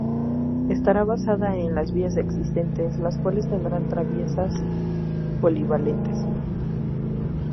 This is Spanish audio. Estará basada en las vías existentes, las cuales tendrán traviesas polivalentes.